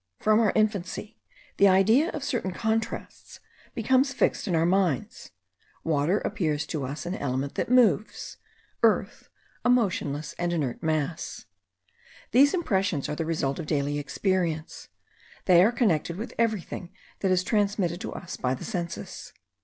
From our infancy, the idea of certain contrasts becomes fixed in our minds: water appears to us an element that moves; earth, a motionless and inert mass. These impressions are the result of daily experience; they are connected with everything that is transmitted to us by the senses.